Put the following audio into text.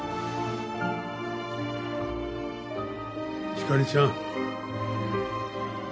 ひかりちゃん。